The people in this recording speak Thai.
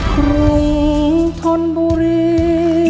กรุงธนบุรี